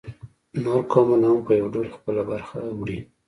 نور قومونه هم په یو ډول خپله برخه وړي